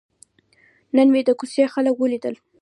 نن مې د کوڅې خلک ولیدل.